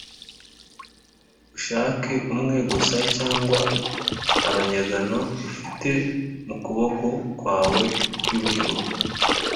uzashake umwe (gusa) cyangwa (abanyagano) ufite mu kuboko kwawe kw’iburyo